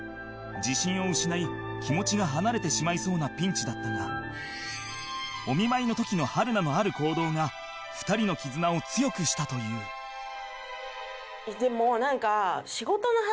自信を失い気持ちが離れてしまいそうなピンチだったがお見舞いの時の春菜のある行動が２人の絆を強くしたというでもなんかなんか私的には。